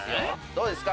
どうですか？